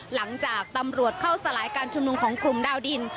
หลังจากตำรวจเข้าสลายการชุมนุมของกลุ่มดาวดิน